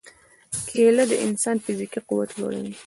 کېله د انسان فزیکي قوت لوړوي.